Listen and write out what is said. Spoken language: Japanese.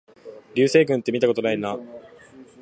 流星群ってみたことないな